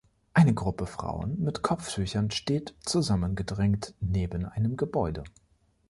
Eine Gruppe Frauen mit Kopftüchern steht zusammengedrängt neben einem Gebäude.